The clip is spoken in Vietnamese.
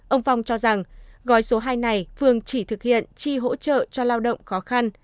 ông phong cho rằng gói số hai này phường chỉ thực hiện chi hỗ trợ cho lao động khó khăn